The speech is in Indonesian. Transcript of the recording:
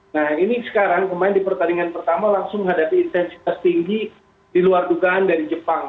nah ini sekarang pemain di pertandingan pertama langsung menghadapi intensitas tinggi di luar dugaan dari jepang